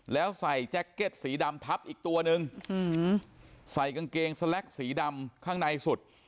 แล้วใส่แจ็คเก็ตสีดำพับอีกตัวนึงใส่กางเกงสแล็กสีดำข้างในสุด